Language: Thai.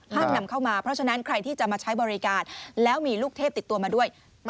นำเข้ามาเพราะฉะนั้นใครที่จะมาใช้บริการแล้วมีลูกเทพติดตัวมาด้วย